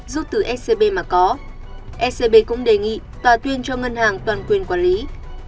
rút từ scb mà có scb cũng đề nghị tòa tuyên cho ngân hàng toàn quyền quản lý